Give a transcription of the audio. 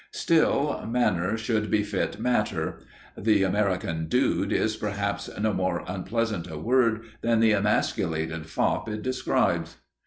Still, manner should befit matter; the American "dude" is, perhaps, no more unpleasant a word than the emasculated fop it described.